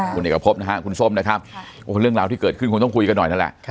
คุณเอกพบนะฮะคุณส้มนะครับเรื่องราวที่เกิดขึ้นคงต้องคุยกันหน่อยนั่นแหละ